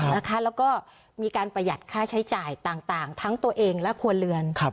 แล้วก็มีการประหยัดค่าใช้จ่ายต่างทั้งตัวเองและครัวเรือน